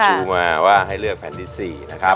ชูมาว่าให้เลือกแผ่นที่๔นะครับ